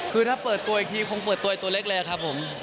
คือถ้าเปิดตัวอีกทีคงเปิดตัวเล็กเลยครับผม